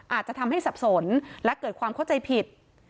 อาจจะทำให้สับสนและเกิดความเข้าใจผิด